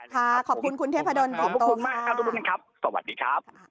ขอบคุณคุณเทพดลขอบคุณมากครับทุกคนครับสวัสดีครับ